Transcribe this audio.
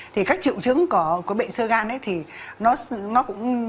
thì các triệu chứng của bệnh sơ gan